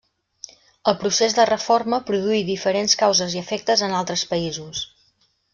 El procés de reforma produí diferents causes i efectes en altres països.